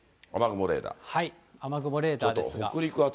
雨雲レーダーですが。